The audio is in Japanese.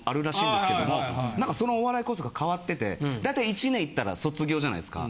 何かそのお笑いコースが変わっててだいたい１年行ったら卒業じゃないですか。